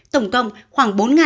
tổng cộng khoảng bốn năm trăm linh